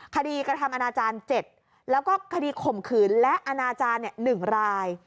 กระทำอนาจารย์๗แล้วก็คดีข่มขืนและอนาจารย์๑ราย